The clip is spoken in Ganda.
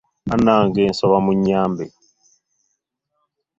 Banange nsaba munyambe.